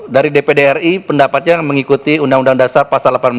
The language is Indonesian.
dari dpd ri pendapatnya mengikuti undang undang dasar pasal delapan belas